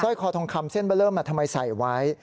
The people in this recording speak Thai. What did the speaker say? คอทองคำเส้นเบอร์เริ่มทำไมใส่ไว้